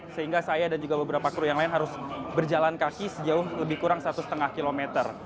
sehingga saya dan juga beberapa kru yang lain harus berjalan kaki sejauh lebih kurang satu lima km